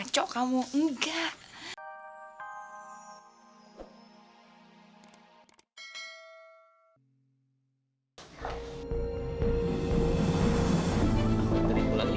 sampai jumpa di bulan lain